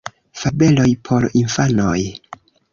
Fabeloj por infanoj.